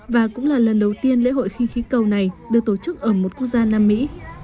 và cũng là lần đầu tiên lễ hội khinh khí cầu này được tổ chức ở một quốc gia nam mỹ